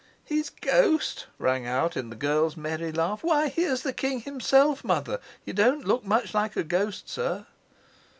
"His ghost!" rang out in the girl's merry laugh. "Why, here's the king himself, mother. You don't look much like a ghost, sir."